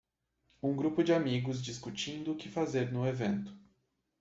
Um grupo de amigos discutindo o que fazer no evento.